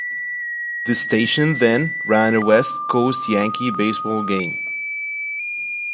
The station then ran a west coast Yankee Baseball Game.